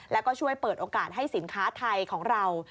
แล้วก็ช่วยเปิดโอกาสให้สินค้าไทยของเรา